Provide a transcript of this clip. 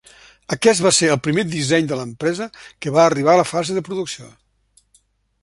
Aquest va ser el primer disseny de l'empresa que va arribar a la fase de producció.